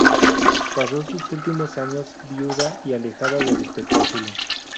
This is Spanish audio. Pasó sus últimos años viuda y alejada del espectáculo.